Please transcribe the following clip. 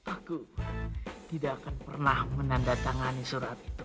aku tidak akan pernah menandatangani surat itu